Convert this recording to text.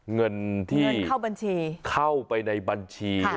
เงินที่เข้าบัญชีเข้าไปในบัญชี